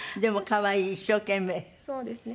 そうですね。